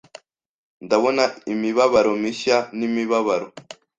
Ndabona imibabaro mishya n'imibabaro